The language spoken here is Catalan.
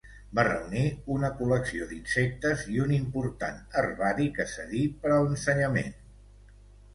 Va reunir una col·lecció d'insectes i un important herbari que cedí per a l'ensenyament.